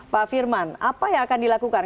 pak firman apa yang akan dilakukan